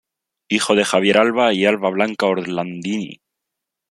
Hijo de Javier Alva y Alva Blanca Orlandini.